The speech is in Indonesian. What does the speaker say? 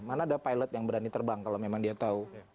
mana ada pilot yang berani terbang kalau memang dia tahu